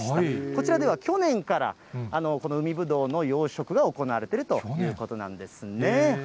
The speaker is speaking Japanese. こちらでは去年から、この海ぶどうの養殖が行われているということなんですね。